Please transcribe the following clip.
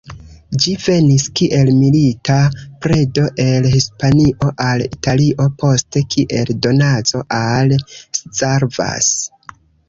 Ĝi venis, kiel milita predo el Hispanio al Italio, poste, kiel donaco, al Szarvas.